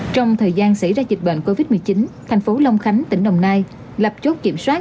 trong thời gian xảy ra dịch bệnh covid một mươi chín thành phố long khánh tỉnh đồng nai